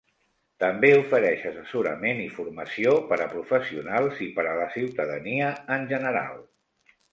També ofereix assessorament i formació per a professionals, i per a la ciutadania en general.